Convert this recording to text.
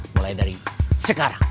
mulai dari sekarang